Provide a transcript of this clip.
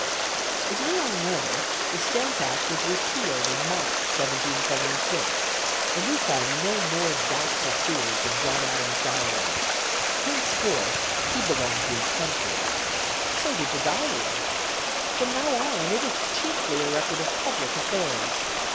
As we all know, the Stamp Act was repealed in March, 1776, and we find no more doubts or fears in John Adams' diary. Henceforth he belonged to his country. So did the diary! From now on it is chiefly a record of public affairs.